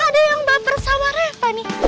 ada yang baper sama reva nih